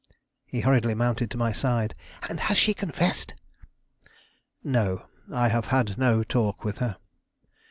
He hurriedly mounted to my side. "And she has confessed?" "No; I have had no talk with her."